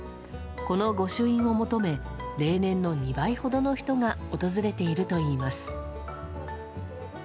この御朱印を求め例年の２倍ほどの人が訪れているといいます。